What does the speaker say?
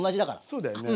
そうだよね。